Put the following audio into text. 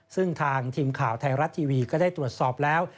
ซึ่งทางทีมข่าวไทยรัฐทีวีก็ได้ตรวจสอบแล้ว